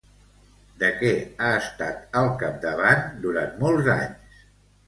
De què ha estat al capdavant durant molts anys?